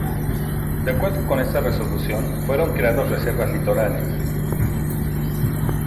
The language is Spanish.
De acuerdo con esta resolución fueron creados Reservas Litorales.